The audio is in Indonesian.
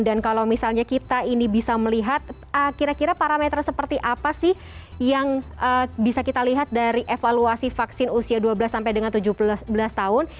dan kalau misalnya kita ini bisa melihat kira kira parameter seperti apa sih yang bisa kita lihat dari evaluasi vaksin usia dua belas sampai dengan tujuh belas tahun